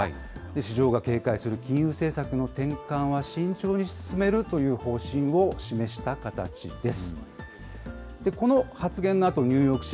市場が警戒する金融政策の転換は慎重に進めるという方針を示した形です。